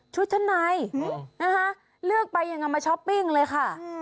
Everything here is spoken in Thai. ชุดเฉินไหนเลือกไปอย่างนั้นมาช้อปปิ้งเลยค่ะ